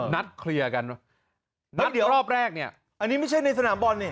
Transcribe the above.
นัดเคลียร์กันนัดเดียวรอบแรกเนี่ยอันนี้ไม่ใช่ในสนามบอลนี่